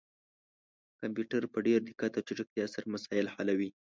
کمپيوټر په ډير دقت او چټکتيا سره مسايل حلوي